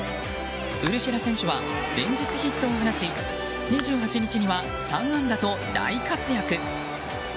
ウルシェラ選手は連日ヒットを放ち２８日には、３安打と大活躍。